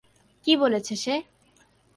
কি বলেছে সে?